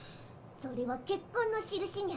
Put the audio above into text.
・それは結婚のしるしニャ。